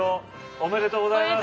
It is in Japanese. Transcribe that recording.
おめでとうございます。